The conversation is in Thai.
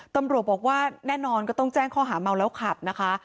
ตำรวจบอกว่าแน่นอนก็ต้องแจ้งข้อหาเมาแล้วขับนะคะ